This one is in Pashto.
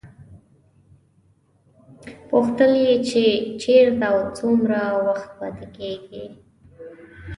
پوښتل یې چې چېرته او څومره وخت پاتې کېږي.